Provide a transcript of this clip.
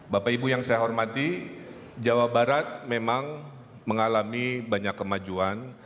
bapak ibu yang saya hormati jawa barat memang mengalami banyak kemajuan